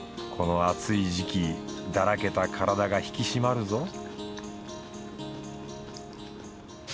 この暑い時期だらけた体が引き締まるぞ